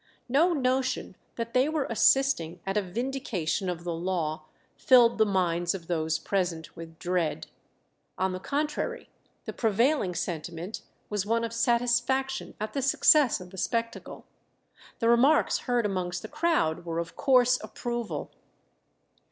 No notion that they were assisting at a vindication of the law filled the minds of those present with dread. On the contrary, the prevailing sentiment was one of satisfaction at the success of the spectacle. The remarks heard amongst the crowd were of coarse approval.